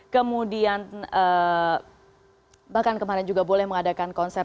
kemudian bahkan kemarin juga boleh mengadakan konser